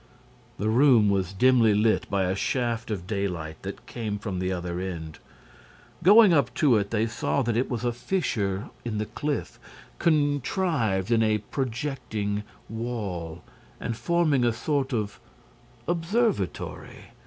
The room was dimly lit by a shaft of daylight that came from the other end. Going up to it, they saw that it was a fissure in the cliff, contrived in a projecting wall and forming a sort of observatory.